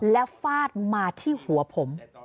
และฟาดมาที่หัวผม